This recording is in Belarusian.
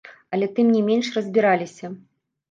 Але тым не менш разбіраліся.